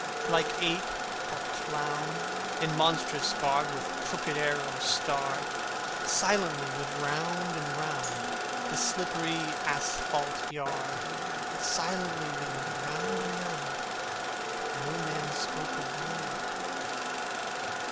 Like ape or clown, in monstrous garb With crooked arrows starred, Silently we went round and round The slippery asphalte yard; Silently we went round and round, And no man spoke a word.